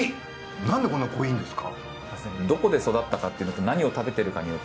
なんでこんな濃いんですか？